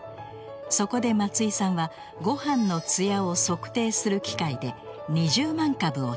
そこで松井さんはごはんの艶を測定する機械で２０万株を調査。